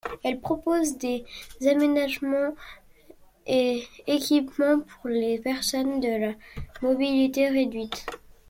Elle propose des aménagements et équipements pour les personnes à la mobilité réduite.